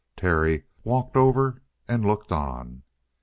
Terry walked over and looked on.